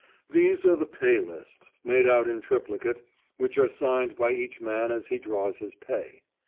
These are the pay lists, made out in triplicate, which are signed by each man as he draws his pay.